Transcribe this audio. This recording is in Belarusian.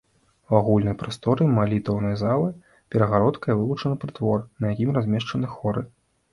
У агульнай прасторы малітоўнай залы перагародкай вылучаны прытвор, на якім размешчаны хоры.